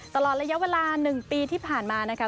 ตลอดระยะเวลา๑ปีที่ผ่านมานะคะ